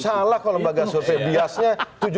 salah kalau lembaga survei biasnya